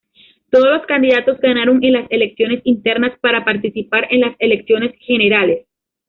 Todos los candidatos ganaron en las elecciones internas para participar en las elecciones generales.